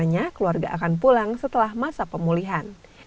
rencananya keluarga akan pulang setelah masa pemulihan